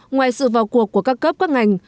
ngoài sự vào cuộc của các cấp các ngành